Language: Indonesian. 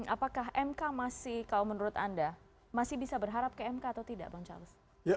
apakah mk masih kalau menurut anda masih bisa berharap ke mk atau tidak bang charles